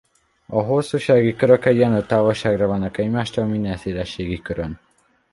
A hosszúsági körök egyenlő távolságra vannak egymástól minden szélességi körön.